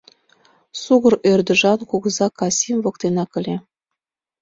Сугыр ӧрдыжан кугыза Касим воктенак ыле.